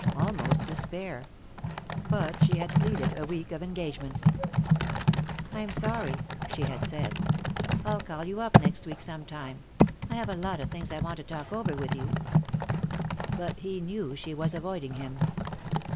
Almost despair. But she had pleaded a week of engagements. "I'm sorry," she had said. "I'll call you up next week some time I have a lot of things I want to talk over with you." But he knew she was avoiding him.